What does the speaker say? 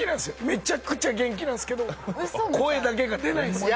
めちゃくちゃ元気なんすけど声だけが出ないんですよ。